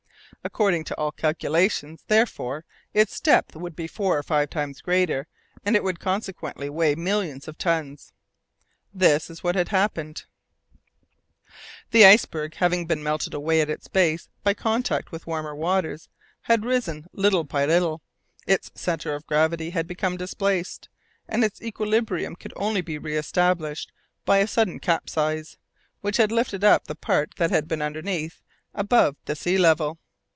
According to all calculations, therefore, its depth would be four or five times greater, and it would consequently weigh millions of tons. This is what had happened: The iceberg, having been melted away at its base by contact with warmer waters, had risen little by little; its centre of gravity had become displaced, and its equilibrium could only be re established by a sudden capsize, which had lifted up the part that had been underneath above the sea level.